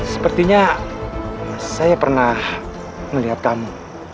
sepertinya saya pernah melihat tamu